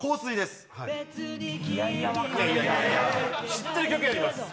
知ってる曲やります。